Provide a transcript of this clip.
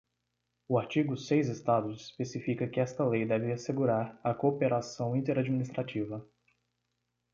O artigo seis estados especifica que esta lei deve assegurar a cooperação inter-administrativa.